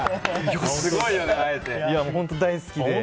本当大好きで。